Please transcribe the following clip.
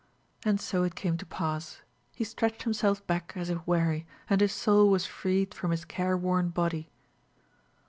And so it came to pass. He stretched himself back as if weary, and his soul was freed from his care worn body.